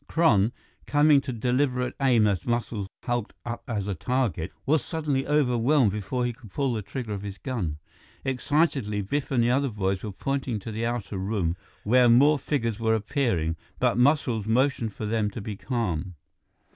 Kron, coming to deliberate aim as Muscles hulked up as a target, was suddenly overwhelmed before he could pull the trigger of his gun. Excitedly, Biff and the other boys were pointing to the outer room where more figures were appearing, but Muscles motioned for them to be calm.